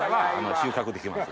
収穫できます。